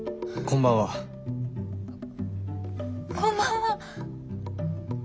こんばんは。